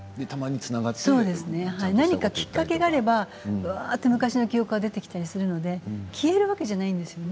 なぜかきっかけがあれば昔の記憶が出てくるので消えるわけじゃないんです。